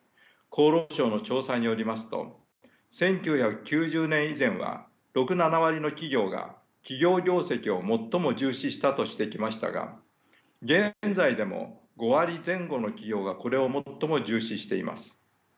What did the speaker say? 厚労省の調査によりますと１９９０年以前は６７割の企業が企業業績を最も重視したとしてきましたが現在でも５割前後の企業がこれを最も重視しています。